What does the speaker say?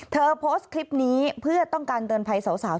โพสต์คลิปนี้เพื่อต้องการเตือนภัยสาว